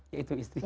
ya itu istrinya